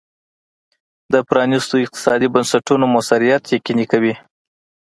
د پرانیستو اقتصادي بنسټونو موثریت یقیني کوي.